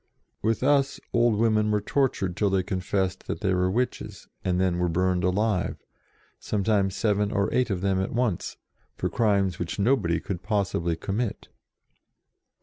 With us old women were tortured till they confessed that they were witches, and then were burned alive, sometimes seven or eight of them at once, for crimes which nobody could possibly commit.